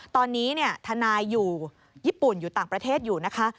ตอนนี้ทนายอยู่ญี่ปุ่นอยู่ต่างประเทศอยู่นะคะ